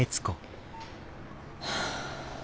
はあ。